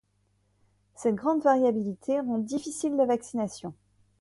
Cette grande variabilité rend difficile la vaccination.